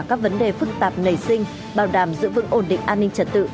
các vấn đề phức tạp nảy sinh bảo đảm giữ vững ổn định an ninh trật tự